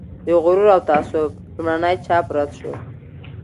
د "غرور او تعصب" لومړنی چاپ رد شو.